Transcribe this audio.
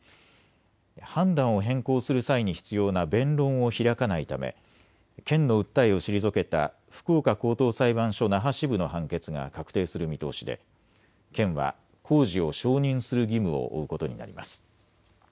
判断を変更する際に必要な弁論を開かないため県の訴えを退けた福岡高等裁判所那覇支部の判決が確定する見通しで県は工事を承認する義務を負うことになります。